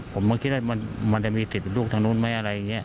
ผมก็คิดว่ามันจะมีติดลูกทางนู้นไหมอะไรอย่างนี้